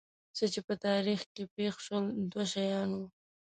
څه چې په تاریخ کې پېښ شول دوه شیان وو.